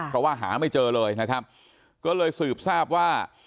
เพราะว่าหาไม่เจอเลยนะครับก็เลยสืบทราบว่า